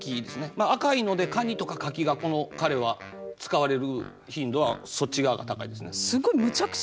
まあ赤いので蟹とか柿がこの彼は使われる頻度はそっち側が高いですね。